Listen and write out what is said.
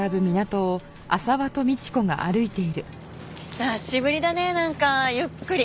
久しぶりだねなんかゆっくり。